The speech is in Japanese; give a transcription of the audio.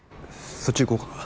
そっち行こうか？